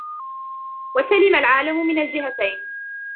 وَسَلِمَ الْعَالِمُ مِنْ الْجِهَتَيْنِ